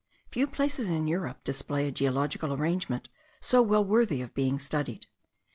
Few places in Europe display a geological arrangement so well worthy of being studied.